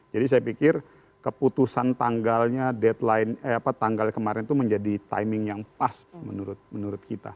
jadi saya pikir keputusan tanggalnya deadline eh apa tanggalnya kemarin itu menjadi timing yang pas menurut kita